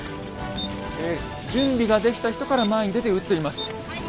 え準備ができた人から前に出て撃っています。